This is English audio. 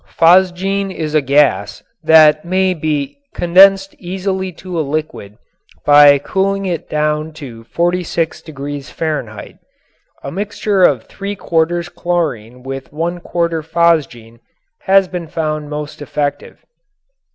Phosgene is a gas that may be condensed easily to a liquid by cooling it down to 46 degrees Fahrenheit. A mixture of three quarters chlorine with one quarter phosgene has been found most effective.